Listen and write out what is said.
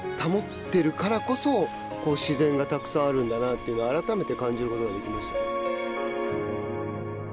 っていうのを改めて感じることができました。